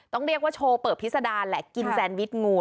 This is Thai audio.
ต้องเรียกว่าโชว์เปิดพิษดาแหละกินแซนวิชงู